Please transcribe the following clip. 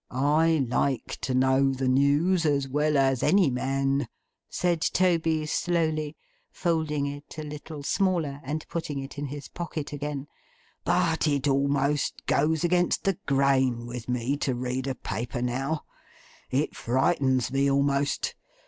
I like to know the news as well as any man,' said Toby, slowly; folding it a little smaller, and putting it in his pocket again: 'but it almost goes against the grain with me to read a paper now. It frightens me almost.